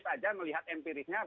kita lihat aja melihat empirisnya